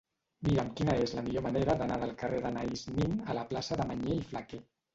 Mira'm quina és la millor manera d'anar del carrer d'Anaïs Nin a la plaça de Mañé i Flaquer.